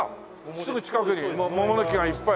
すぐ近くに桃の木がいっぱい。